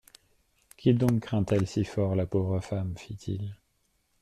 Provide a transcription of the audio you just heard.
Qui donc craint-elle si fort, la pauvre femme ? fit-il.